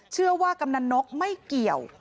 เชื่อว่ากำนันนกไม่เกี่ยว